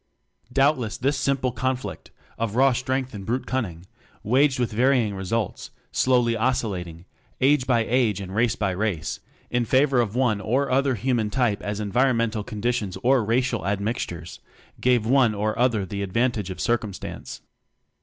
Doubtless this simple conflict (of raw strength and brute cunning) waged with varying results, slowly oscillating, age by age and race by race, in favor of one or other human type as environmental conditions or racial admixtures gave one or other the advantage of circumstance.